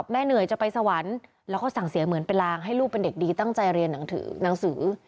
เหนื่อยจะไปสวรรค์แล้วก็สั่งเสียเหมือนเป็นลางให้ลูกเป็นเด็กดีตั้งใจเรียนหนังสือหนังสือ